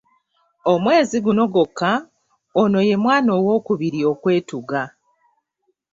Omwezi guno gwokka, ono ye mwana owokubiri okwetuga.